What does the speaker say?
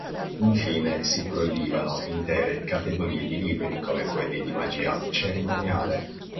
Infine si proibivano intere categorie di libri, come quelli di magia cerimoniale.